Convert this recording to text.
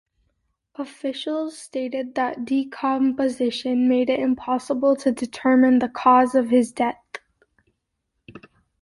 Officials stated that decomposition made it impossible to determine the cause of his death.